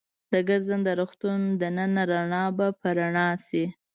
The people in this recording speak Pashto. د ګرځنده روغتون دننه رڼا به په رڼا شي.